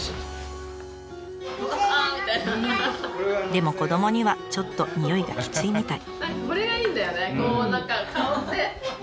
でも子どもにはちょっとにおいがきついみたい。